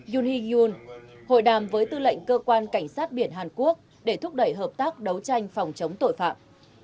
yuni yun hội đàm với tư lệnh cơ quan cảnh sát biển hàn quốc để thúc đẩy hợp tác đấu tranh phòng chống tội phạm